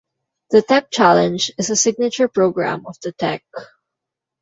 The Tech Challenge is a signature program of The Tech.